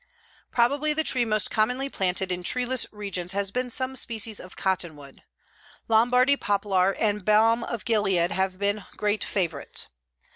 Probably the tree most commonly planted in treeless regions has been some species of cottonwood. Lombardy poplar and Balm of Gilead have been great favorites.